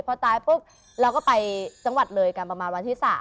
พอตายปุ๊บเราก็ไปจังหวัดเลยกันประมาณวันที่๓